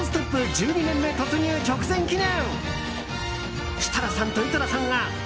１２年目突入直前記念。